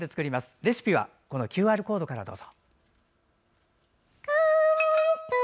レシピはＱＲコードからどうぞ。